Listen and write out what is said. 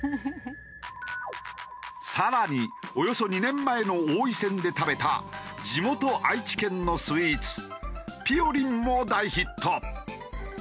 更におよそ２年前の王位戦で食べた地元愛知県のスイーツぴよりんも大ヒット。